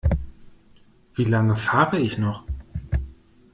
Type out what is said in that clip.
Wie lange fahre ich noch?